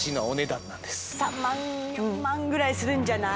３万４万ぐらいするんじゃない？